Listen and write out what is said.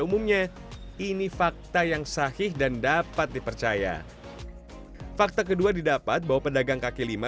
umumnya ini fakta yang sahih dan dapat dipercaya fakta kedua didapat bahwa pedagang kaki lima